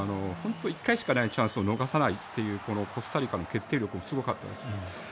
１回しかないチャンスを逃さないコスタリカの決定力がすごかったですね。